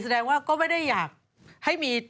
แสดงว่าก็ไม่ได้อยากให้มี